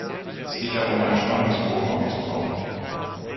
Es geht darum, einen Spannungsbogen aufzubauen.